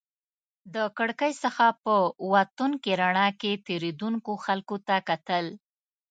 د کړکۍ څخه په وتونکې رڼا کې تېرېدونکو خلکو ته کتل.